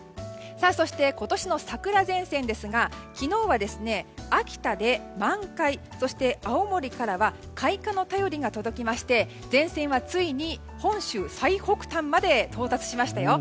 そして今年の桜前線ですが昨日は秋田で満開そして青森からは開花の便りが届きまして前線はついに本州最北端まで到達しましたよ。